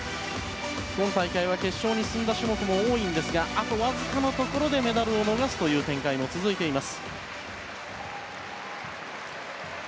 今大会は決勝に進んだ種目も多いんですがあとわずかのところでメダルを逃す展開も続いています。